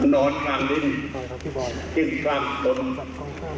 นอนทางดินจึงกล้ามตน